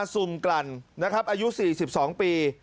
ซุ่มกลั่นนะครับอายุ๔๒ปี